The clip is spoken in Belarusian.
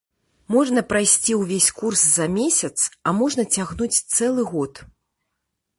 Можна прайсці ўвесь курс за месяц, а можна цягнуць цэлы год.